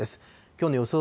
きょうの予想